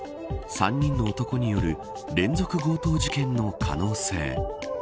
３人の男による連続強盗事件の可能性。